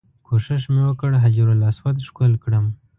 کوښښ مې وکړ حجر اسود ښکل کړم.